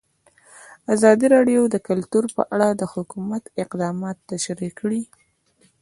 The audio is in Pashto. ازادي راډیو د کلتور په اړه د حکومت اقدامات تشریح کړي.